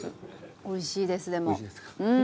おいしいですでもうん！